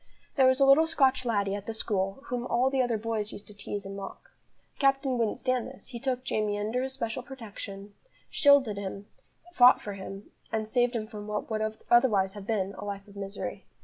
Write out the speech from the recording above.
There was a little Scotch laddie at the school whom all the other boys used to tease and mock. The captain wouldn't stand this; he took Jamie under his special protection, shielded him, fought for him, and saved him from what would otherwise have been a life of misery.